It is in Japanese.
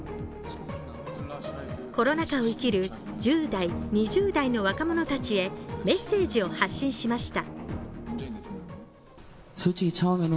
コロナ禍を生きる１０代、２０代の若者たちへメッセージを発信しました。